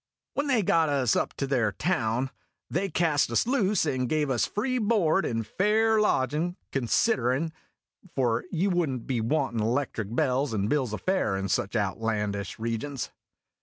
When they got us up to their town, they cast us loose, and gave us free board and fair lodgin's, considerin' A YARN OF SAILOR BEN S 219 for you would n't be wantin' electric bells and bills o' fare in such outlandish regions.